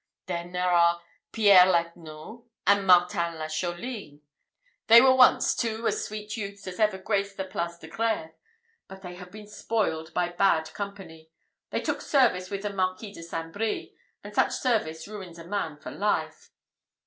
"Then there are Pierre l'Agneau, and Martin de Chauline. They were once two as sweet youths as ever graced the Place de Grève; but they have been spoiled by bad company. They took service with the Marquis de St. Brie, and such service ruins a man for life."